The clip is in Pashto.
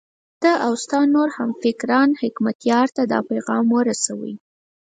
ته او ستا نور همفکران حکمتیار ته دا پیغام ورسوئ.